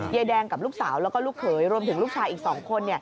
ยายแดงกับลูกสาวแล้วก็ลูกเขยรวมถึงลูกชายอีก๒คน